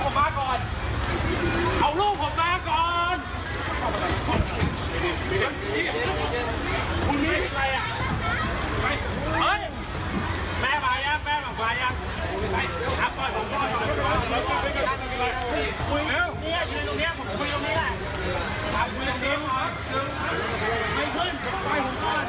โปรดติดตามตอนต่าง